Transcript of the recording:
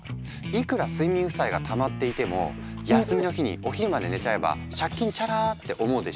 「いくら睡眠負債がたまっていても休みの日にお昼まで寝ちゃえば借金チャラ」って思うでしょ？